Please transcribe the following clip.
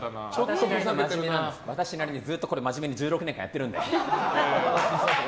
私なりにずっと真面目にこれ１６年間やってるので。